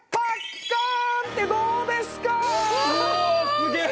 すげえ！